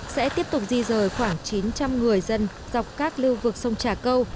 sẽ tiếp tục di rời khoảng chín trăm linh người dân dọc các lưu vực sông trà câu